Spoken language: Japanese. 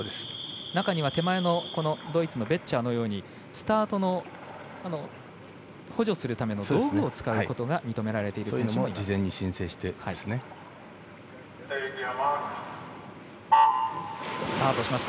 中にはドイツのベッチャーのようにスタートの補助するための道具を使うことが認められている選手もいます。